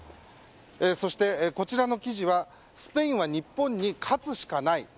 そして、こちらの記事はスペインは日本に勝つしかない。